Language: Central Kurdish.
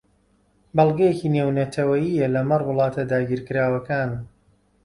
بەڵگەیەکی نێونەتەوەیییە لەمەڕ وڵاتە داگیرکراوەکان